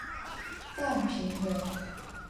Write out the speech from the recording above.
范平人。